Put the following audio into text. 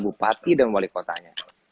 bupati dan wali kotanya